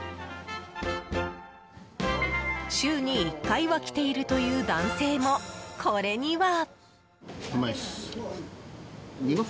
週に１回は来ているという男性もこれには。